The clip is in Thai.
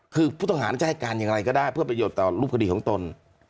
คือผู้ต้องหาจะให้การอย่างไรก็ได้เพื่อประโยชน์ต่อรูปคดีของตน